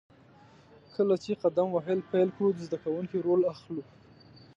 کله چې قدم وهل پیل کړو، د زده کوونکي رول اخلو.